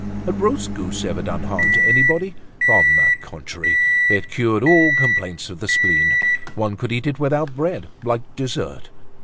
Had roast goose ever done harm to anybody? On the contrary, it cured all complaints of the spleen. One could eat it without bread, like dessert.